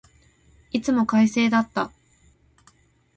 いつも快晴だった。